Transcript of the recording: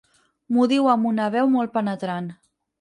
M'ho diu amb una veu molt penetrant.